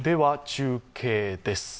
中継です。